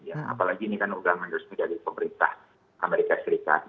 apalagi ini kan ugam harus menjadi pemerintah amerika serikat